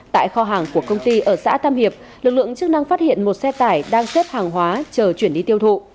tại kho hàng của công ty ở xã tam hiệp lực lượng chức năng phát hiện một xe tải đang xếp hàng hóa chờ chuyển đi tiêu thụ